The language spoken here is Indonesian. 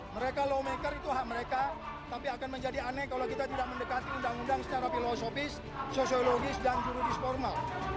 mereka law maker itu hak mereka tapi akan menjadi aneh kalau kita tidak mendekati undang undang secara filosofis sosiologis dan juridis formal